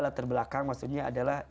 latar belakang maksudnya adalah